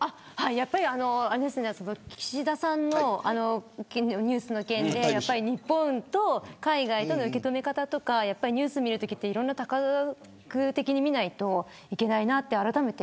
やっぱり岸田さんのニュースの件で日本と海外との受け止め方とかニュースを見るときはいろいろ多角的に見ないといけないとあらためて。